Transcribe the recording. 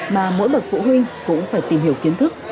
mà mỗi bậc phụ huynh cũng phải tìm hiểu kiến thức